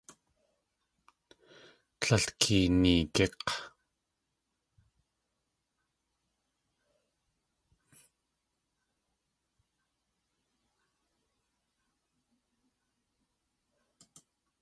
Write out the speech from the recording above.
Líl keeneegík̲!